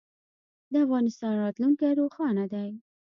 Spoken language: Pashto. د افغانستان راتلونکی روښانه دی.